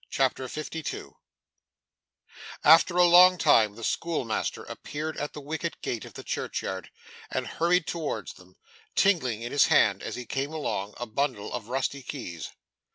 CHAPTER 52 After a long time, the schoolmaster appeared at the wicket gate of the churchyard, and hurried towards them, tingling in his hand, as he came along, a bundle of rusty keys.